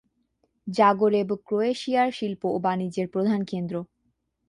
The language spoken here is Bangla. জাগরেব ক্রোয়েশিয়ার শিল্প ও বাণিজ্যের প্রধান কেন্দ্র।